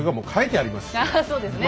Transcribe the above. ああそうですね